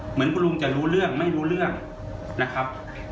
เหมือนคุณลุงจะรู้เรื่องไม่รู้เรื่องนะครับ